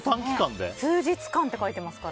数日間って書いてありますね。